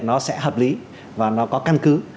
nó sẽ hợp lý và nó có căn cứ